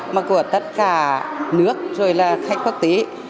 mà của tất cả nước rồi là khách quốc tế